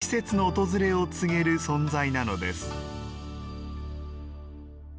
季節の訪れを告げる存在なのです。